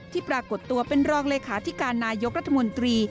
ปรากฏตัวเป็นรองเลขาธิการนายกรัฐมนตรี